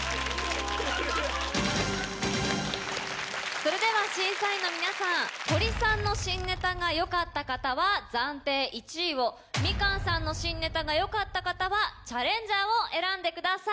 それでは審査員の皆さんホリさんの新ネタがよかった方は暫定１位をみかんさんの新ネタがよかった方はチャレンジャーを選んでください。